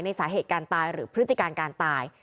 สาเหตุการตายหรือพฤติการการตาย